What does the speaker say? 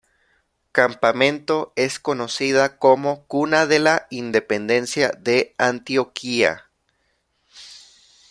Campamento es conocida como "Cuna de la Independencia de Antioquia".